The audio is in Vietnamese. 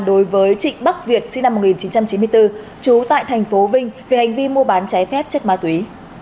đối với trịnh bắc việt sinh năm một nghìn chín trăm chín mươi bốn trú tại thành phố vinh về hành vi mua bán trái phép chất ma túy